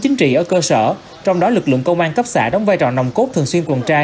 chính trị ở cơ sở trong đó lực lượng công an cấp xã đóng vai trò nồng cốt thường xuyên quần trai